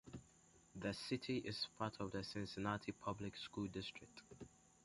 The city is part of the Cincinnati Public School district.